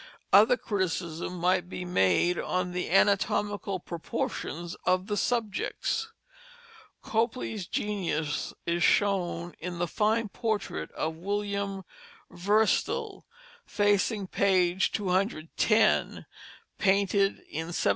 Other criticism might be made on the anatomical proportions of the subjects. Copley's genius is shown in the fine portrait of William Verstile, facing page 210, painted in 1769.